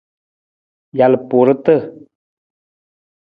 Jalpuurata.